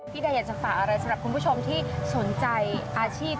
ใดอยากจะฝากอะไรสำหรับคุณผู้ชมที่สนใจอาชีพ